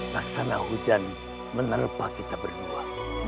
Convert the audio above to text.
tak sana hujan menerpa kita berdua